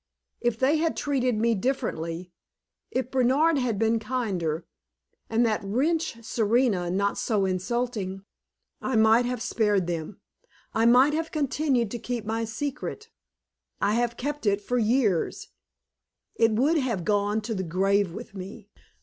If they had treated me differently if Bernard had been kinder, and that wretch Serena not so insulting I might have spared them, I might have continued to keep my secret. I have kept it for years; it would have gone to the grave with me.